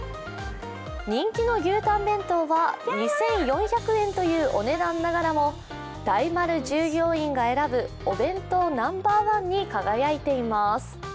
人気の牛たん弁当は２４００円というお値段ながらも大丸従業員が選ぶお弁当ナンバー１に輝いています。